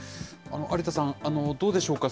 有田さん、どうでしょうか。